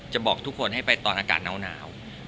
บอกทุกคนให้ไปตอนอากาศหนาว